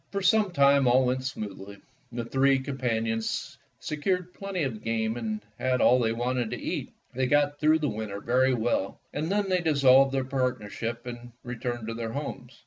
For some time all went smoothly, the three companions secured plenty of game and had all they wanted to eat. They got through the winter very well, and then they dissolved their partnership and returned to their homes.